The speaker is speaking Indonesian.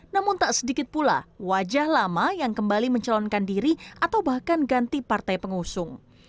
namun tak sedikit pula wajah lama yang kembali mencalonkan diri atau bahkan ganti partai pengusung